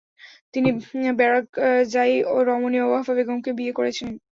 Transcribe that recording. তিনি বারাকজাই রমণী ওয়াফা বেগমকে বিয়ে করেছিলেন।